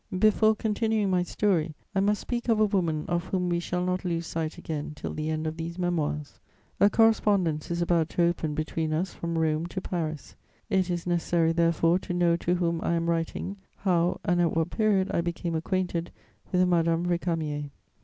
Before continuing my story, I must speak of a woman of whom we shall not lose sight again till the end of these Memoirs. A correspondence is about to open between us from Rome to Paris: it is necessary, therefore, to know to whom I am writing, how and at what period I became acquainted with Madame Récamier.